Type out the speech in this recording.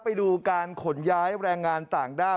ไปดูการขนย้ายแรงงานต่างด้าว